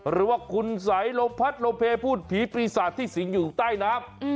หรือว่าคุณไสโลภัทรโลเภพูดผีปีศาจที่สิงอยู่ใต้น้ำ